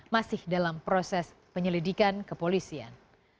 masih dalam proses penyelidikan kepolisian